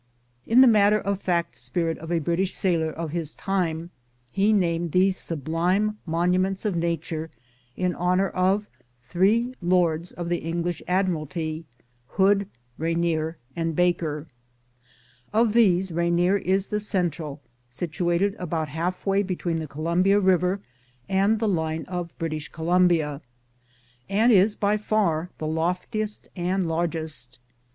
'' In the matter of fact spirit of a British sailor of his time, he named these sublime monuments of nature in honor of three lords of the English admiralty. Hood, Rainier, and Baker. Of these Rainier is the central, situated about half way between the Columbia River and the line of British Columbia, and is by far the loftiest and largest.